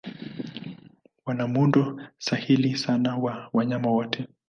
Wana muundo sahili sana wa wanyama wote.